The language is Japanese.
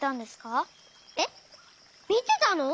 えっみてたの？